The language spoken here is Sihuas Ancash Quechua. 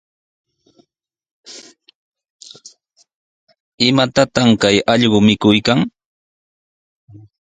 ¿Imatataq chay allqu mikuykan?